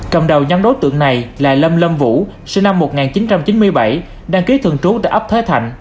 cầm đầu nhắm đối tượng này là lâm lâm vũ sinh năm một nghìn chín trăm chín mươi bảy đăng ký thường trú tại ấp thái thạnh